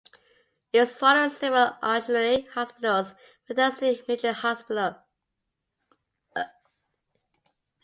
It was one of several auxiliary hospitals for the Endell Street Military Hospital.